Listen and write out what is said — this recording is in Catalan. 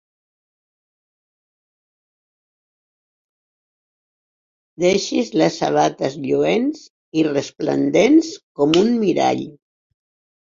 Deixis les sabates lluents i resplendents com un mirall.